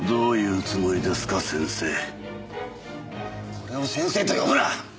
俺を先生と呼ぶな！